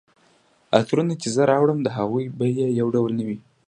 عطرونه چي زه راوړم د هغوی بیي یو ډول نه وي